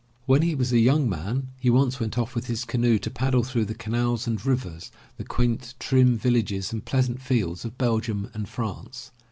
When he was a young man he once went off with his canoe to paddle through the canals and rivers, the quaint, trim villages and pleasant fields of Belgium and France.